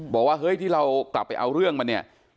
บอกว่าเฮ้ยที่เรากลับไปเอาเรื่องมาเนี่ย